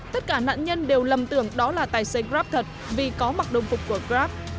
tất cả nạn nhân đều lầm tưởng đó là tài xế grab thật vì có mặc đồng phục của grab